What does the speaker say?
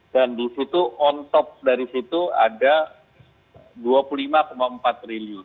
dan disitu on top dari situ ada dua puluh lima empat triliun